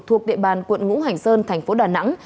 thuộc địa bàn quận ngũ hành sơn thành phố đà nẵng